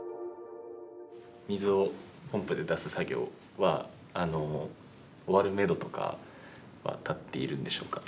水をポンプで出す作業は終わるめどとかは立っているんでしょうか？